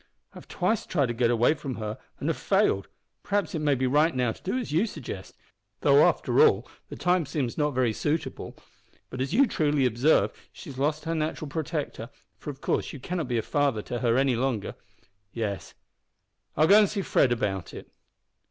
I have twice tried to get away from her and have failed. Perhaps it may be right now to do as you suggest, though after all the time seems not very suitable; but, as you truly observe, she has lost her natural protector, for of course you cannot be a father to her any longer. Yes, I'll go and see Fred about it."